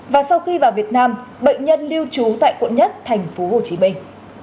và sau khi vào việt nam bệnh nhân lưu trú tại quận một thành phố hồ chí minh